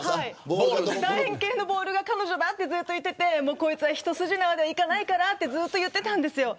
楕円形のボールが彼女だってこいつは一筋縄ではいかないってずっと言っていたんです。